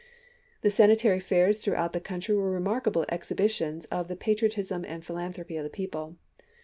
The Sanitary Fairs throughout the country were remarkable exhibitions of the patriot ism and philanthropy of the people.